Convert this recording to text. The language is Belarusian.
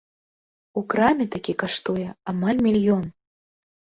У краме такі каштуе амаль мільён.